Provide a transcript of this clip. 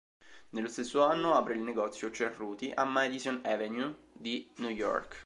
Nello stesso anno apre il negozio Cerruti a Madison Avenue di New York.